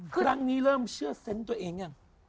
ครั้งนี้เริ่มเชื่อเซนต์ตัวเองยัง